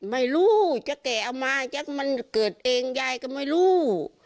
ไม่รู้จะแก่เอามามันเกิดเองยายก็ไม่รู้